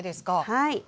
はい。